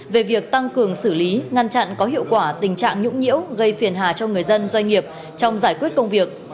về việc tăng cường xử lý ngăn chặn có hiệu quả tình trạng nhũng nhiễu gây phiền hà cho người dân doanh nghiệp trong giải quyết công việc